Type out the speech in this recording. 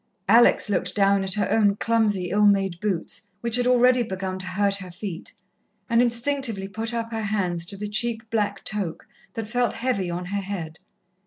Alex looked down at her own clumsy, ill made boots, which had already begun to hurt her feet, and instinctively put up her hands to the cheap black toque, that felt heavy on her head.